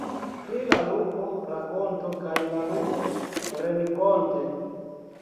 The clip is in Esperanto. Pri la lupo rakonto, kaj la lupo renkonte.